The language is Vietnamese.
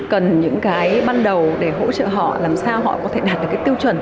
cần những cái ban đầu để hỗ trợ họ làm sao họ có thể đạt được cái tiêu chuẩn